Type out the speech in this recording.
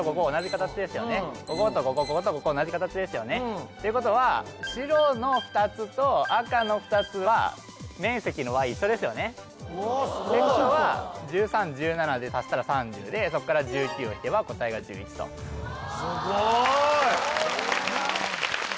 こことこここことここ同じ形ですよねてことは白の２つと赤の２つは面積の和一緒ですよねてことは１３１７で足したら３０でそっから１９を引けば答えが１１とすごい！